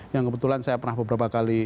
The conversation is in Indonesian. yang kebetulan saya pernah beberapa kali